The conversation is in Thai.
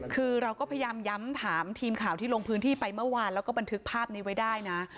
คือเราก็พยายามย้ำถามทีมข่าวที่ลงพื้นที่ไปเมื่อวานแล้วก็บันทึกภาพนี้ไว้ได้นะ